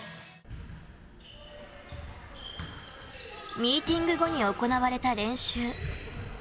ミーティング後に行われた練習。